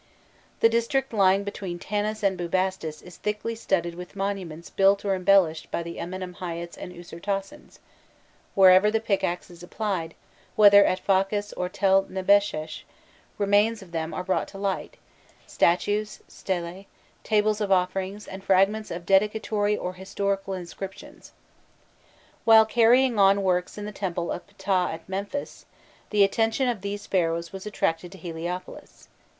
The district lying between Tanis and Bubastis is thickly studded with monuments built or embellished by the Amenemhâîts and Usirtasens: wherever the pickaxe is applied, whether at Fakus or Tell Nebêsheh, remains of them are brought to light statues, stelæ, tables of offerings, and fragments of dedicatory or historical inscriptions. While carrying on works in the temple of Phtah at Memphis, the attention of these Pharaohs was attracted to Heliopolis.